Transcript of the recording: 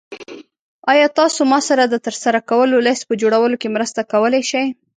ایا تاسو ما سره د ترسره کولو لیست په جوړولو کې مرسته کولی شئ؟